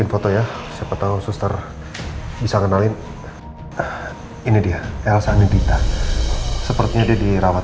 foto ya siapa tahu suster bisa kenalin ini dia elsani dita sepertinya dia dirawat